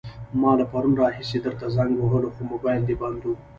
ما له پرون راهيسې درته زنګ وهلو، خو موبايل دې بند وو.